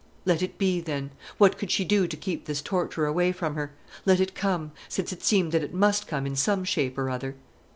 Let it be, then! What could she do to keep this torture away from her? Let it come, since it seemed that it must come in some shape or other.